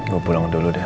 gue pulang dulu deh